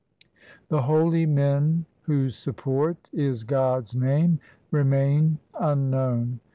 The holy men whose support is God's name remain un known.